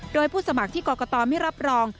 โดยผู้สมัครที่กรกตไม่รับรอง